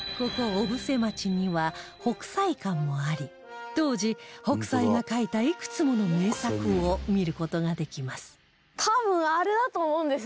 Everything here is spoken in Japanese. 小布施町には北斎館もあり当時北斎が描いたいくつもの名作を見る事ができます